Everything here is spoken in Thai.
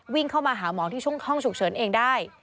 วิ่งเข้ามาหาหมอที่ช่วงห้องฉุกเฉินเองได้